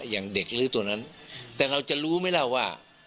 อย่างเด็กหรือตัวนั้นแต่เราจะรู้ไหมล่ะว่า